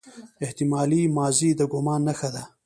احتمالي ماضي د ګومان نخښه ده.